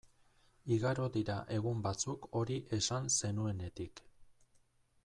Igaro dira egun batzuk hori esan zenuenetik.